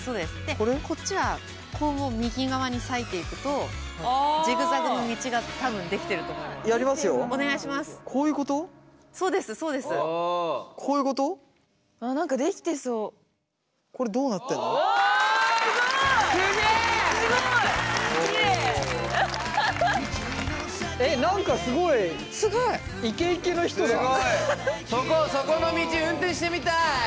そこの道運転してみたい。